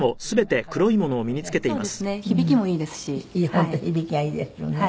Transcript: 本当響きがいいですよね。